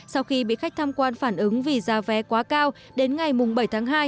sau khi bị khách tham quan phản ứng vì giá vé quá cao đến ngày bảy tháng hai